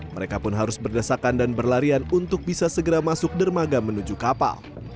mereka pun harus berdesakan dan berlarian untuk bisa segera masuk dermaga menuju kapal